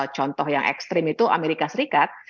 contoh yang ekstrim itu amerika serikat